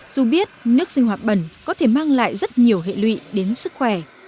dù biết nước sinh hoạt bẩn có thể mang lại rất nhiều hệ lụy đến sức khỏe